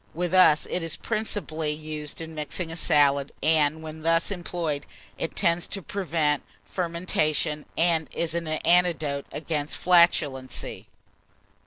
With us, it is principally used in mixing a salad, and when thus employed, it tends to prevent fermentation, and is an antidote against flatulency.